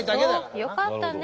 よかったね。